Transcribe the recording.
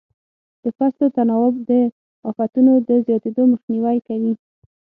د فصلو تناوب د افتونو د زیاتېدو مخنیوی کوي.